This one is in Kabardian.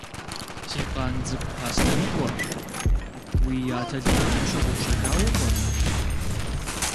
Си къан цӀыкӀу Аслъэныкъуэ! Уи атэлыкъыр пщыгъупщэжауэ пӀэрэ?